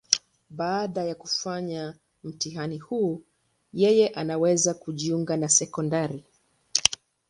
Baada ya kufanya mtihani huu, yeye anaweza kujiunga na sekondari.